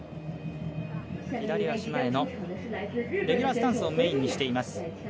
左足前のレギュラースタンスをメインにしています。